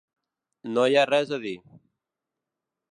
No hi ha res a dir.